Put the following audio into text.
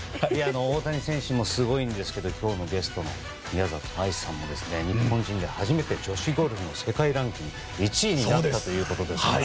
大谷選手もすごいんですけど今日のゲストの宮里藍さんも日本人で初めて女子ゴルフの世界ランキング１位になったということですから。